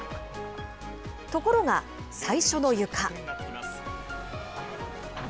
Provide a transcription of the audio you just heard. ところが、最初のゆか。